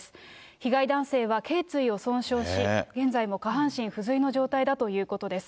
被害男性はけい椎を損傷し、現在も下半身不随の状況だということです。